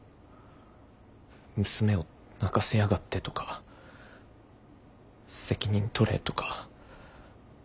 「娘を泣かせやがって」とか「責任とれ」とか。